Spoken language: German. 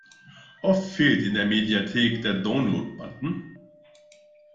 Oft fehlt in der Mediathek der Download-Button.